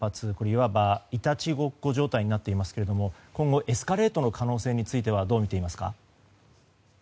いわば、いたちごっこ状態になっていますけども今後、エスカレートの可能性をどうみていますか？